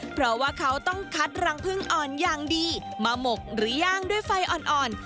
เพราะว่าเขาต้องคัดรังพึ่งอ่อนอย่างดีมาหมกหรือย่างด้วยไฟอ่อน